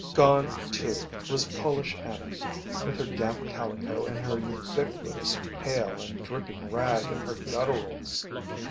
Gone, too, was Polish Anna, with her damp calico and her ubiquitous pail and dripping rag and her gutturals.